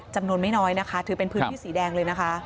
จำนวนไม่น้อยนะคะถือเป็นพื้นที่สีแดงเลยนะคะ